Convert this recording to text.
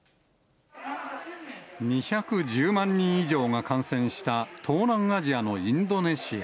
２１０万人以上が感染した東南アジアのインドネシア。